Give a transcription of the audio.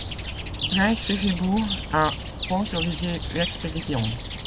Le Prince Chichibu a sponsorisé l'expédition.